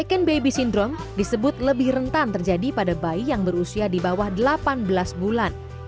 second baby syndrome disebut lebih rentan terjadi pada bayi yang berusia di bawah delapan belas bulan